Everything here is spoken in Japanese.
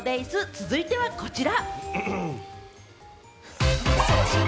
続いてはこちら。